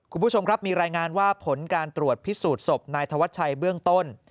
คุณผู้ชมครับมีรายงานว่าผลการตรวจพิสูจน์ศพนายธวัชชัยเบื้องต้น